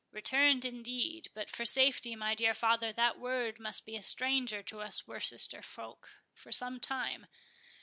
"Returned indeed—but for safety, my dear father, that word must be a stranger to us Worcester folk for some time.